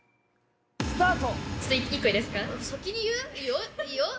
スタート！